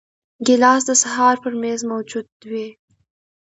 ګیلاس د سهار پر میز موجود وي.